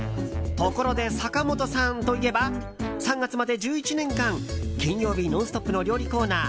ところで、坂本さんといえば３月まで１１年間金曜日の「ノンストップ！」の料理コーナー